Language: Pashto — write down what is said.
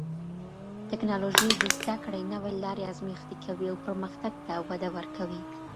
ټکنالوژي د زده کړې نوې لارې ازمېښتي کوي او پرمختګ ته وده ورکوي.